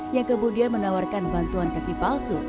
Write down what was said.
yang kemudian menawarkan bantuan kaki palsu